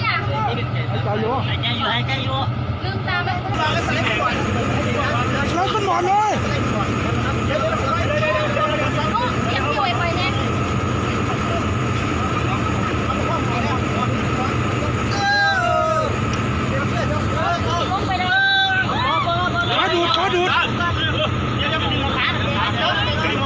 ถ้ารถคุยเข้ามาให้แจ้งให้เข้ามาด้านหลังข้างในสุดเลยนะครับเบียน